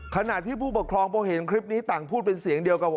ขณะที่ผู้ปกครองพอเห็นคลิปนี้ต่างพูดเป็นเสียงเดียวกันว่า